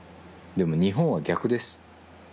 でも日本は逆です。